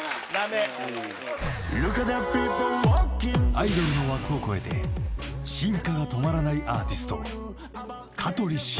［アイドルの枠を超えて進化が止まらないアーティスト］